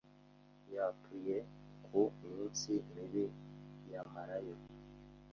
Yatuye ku minsi mibi yamarayo